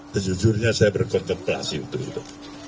sejujurnya saya berkontemplasi untuk itu